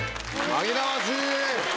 紛らわしい。